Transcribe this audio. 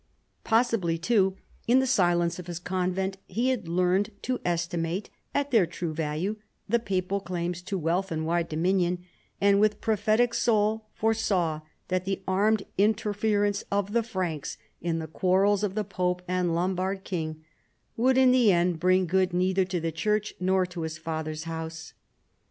Possibly too in the silence of his convent he had learned to estimate at their true value the papal claims to wealth and w^ide dominion, and with pro phetic soul foresaw that the armed interference of the Franks in the quarrels of pope and Lombard king would in the end bring good neither to the Church nor to his father's house.